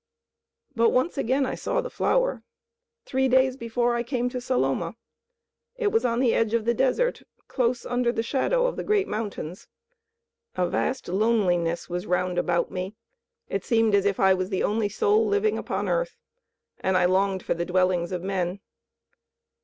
But once again I saw the flower; three days before I came to Saloma. It was on the edge of the desert, close under the shadow of the great mountains. A vast loneliness was round about me; it seemed as if I was the only soul living upon earth; and I longed for the dwellings of men.